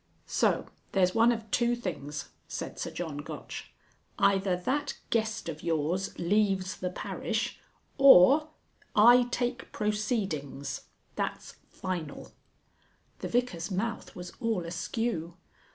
"So there's one of two things," said Sir John Gotch. "Either that Guest of yours leaves the parish, or I take proceedings. That's final." The Vicar's mouth was all askew.